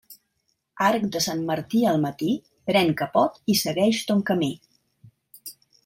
Arc de Sant Martí al matí, pren capot i segueix ton camí.